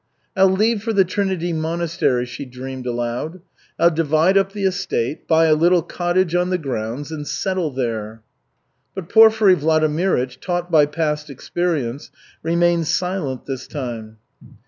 "I'll leave for the Trinity Monastery," she dreamed aloud. "I'll divide up the estate, buy a little cottage on the grounds and settle there." But Porfiry Vladimirych, taught by past experience, remained silent this time.